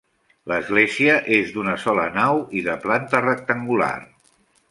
L'església és d'una sola nau i de planta rectangular.